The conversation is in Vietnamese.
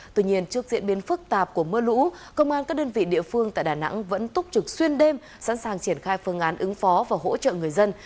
tuy nhiên trước diễn biến phức tạp của mưa lũ công an các đơn vị địa phương tại đà nẵng vẫn túc trực xuyên đêm sẵn sàng triển khai phương án ứng phó và hỗ trợ người dân